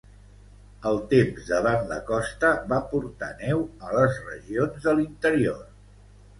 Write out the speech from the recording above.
El temps davant la costa va portar neu a les regions de l'interior.